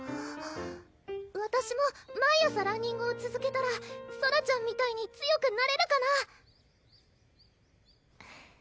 わたしも毎朝ランニングをつづけたらソラちゃんみたいに強くなれるかな？